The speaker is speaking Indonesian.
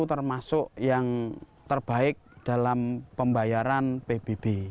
termasuk yang terbaik dalam pembayaran pbb